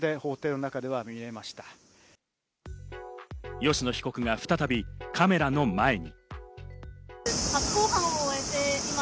吉野被告が再びカメラの前に。